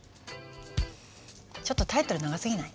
ちょっとタイトル長すぎない？